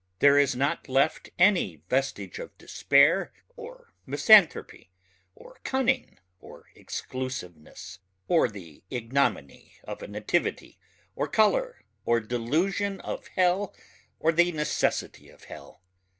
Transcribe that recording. There is not left any vestige of despair or misanthropy or cunning or exclusiveness or the ignominy of a nativity or color or delusion of hell or the necessity of hell